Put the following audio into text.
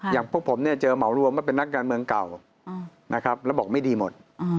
อย่างพวกผมเนี่ยเจอเหมารวมว่าเป็นนักการเมืองเก่านะครับแล้วบอกไม่ดีหมด